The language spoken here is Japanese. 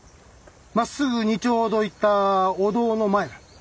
まっすぐ２町ほど行ったお堂の前だ。